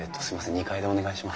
２階でお願いします。